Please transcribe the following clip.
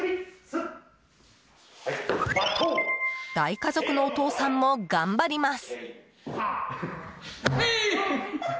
大家族のお父さんも頑張ります！